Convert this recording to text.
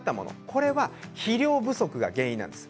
これは肥料不足が原因なんです。